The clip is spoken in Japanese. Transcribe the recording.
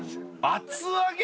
厚揚げ！？